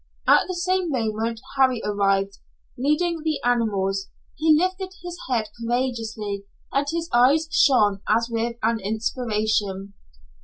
At the same moment Harry arrived, leading the animals. He lifted his head courageously and his eyes shone as with an inspiration.